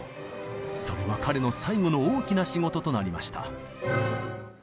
それは彼の最後の大きな仕事となりました。